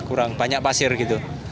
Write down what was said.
kurang banyak pasir gitu